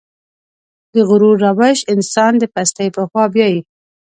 د غرور روش انسان د پستۍ په خوا بيايي.